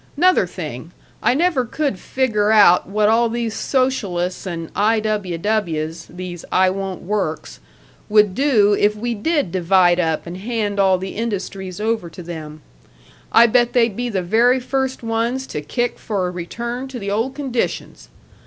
'Nother thing: I never could figger out what all these socialists and I. W. W.'s, these 'I Won't Work's,' would do if we did divide up and hand all the industries over to them. I bet they'd be the very first ones to kick for a return to the old conditions!